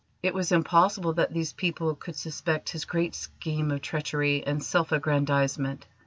It was impossible that these people could suspect his great scheme of treachery and self aggrandisement.